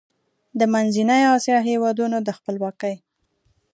د منځنۍ اسیا هېوادونو د خپلواکۍ